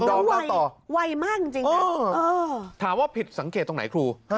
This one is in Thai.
แล้วไวไวมากจริงจริงเออเออถามว่าผิดสังเกตตรงไหนครู